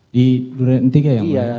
di durian tiga ya mulia